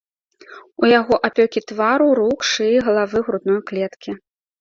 У яго апёкі твару, рук, шыі, галавы, грудной клеткі.